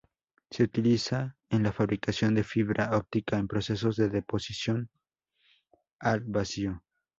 Se utiliza en la fabricación de fibra óptica en procesos de deposición al vacío.